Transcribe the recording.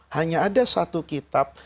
hanya ada satu kitab